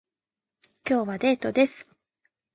今日はデートです